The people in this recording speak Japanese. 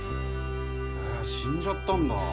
へぇ死んじゃったんだ。